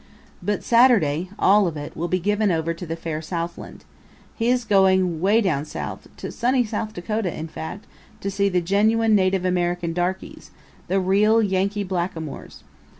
But Saturday all of it will be given over to the Far Southland. He is going 'way down South to sunny South Dakota, in fact, to see the genuine native American darkies, the real Yankee blackamoors.